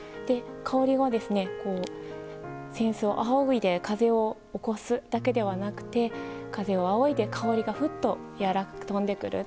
香りが扇子をあおいで風を起こすだけではなくて風をあおいで、香りがふっとやわらかく飛んでくる。